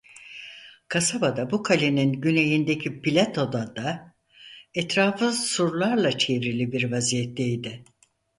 Kasaba da bu kalenin güneyindeki platoda da etrafı surlarla çevrili bir vaziyetteydi.